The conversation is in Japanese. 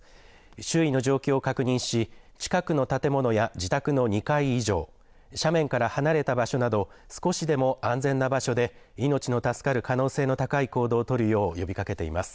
周囲の状況を確認し近くの建物や自宅の２階以上、斜面から離れた場所など少しでも安全な場所で命の助かる可能性の高い行動を取るよう呼びかけています。